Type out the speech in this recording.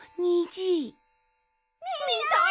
みたい！